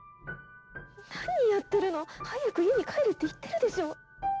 何やってるの。早く家に帰れって言ってるでしょ。